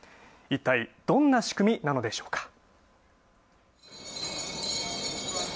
いったいどんな仕組みなのでしょうか。